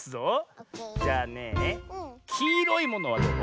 じゃあねえ「きいろいもの」はどう？